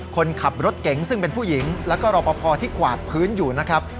คนขับรถเก๋งซึ่งเป็นผู้หญิงแล้วก็รอปภที่กวาดพื้นอยู่นะครับ